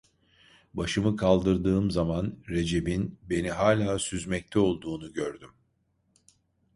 Başımı kaldırdığım zaman Recep'in beni hala süzmekte olduğunu gördüm.